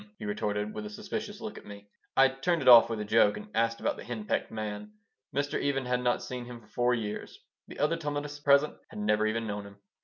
he retorted, with a suspicious look at me I turned it off with a joke and asked about the hen pecked man. Mr. Even had not seen him for four years. The other Talmudists present had never even known him.